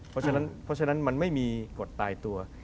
เพราะฉะนั้นมันไม่มีกฎตายตัว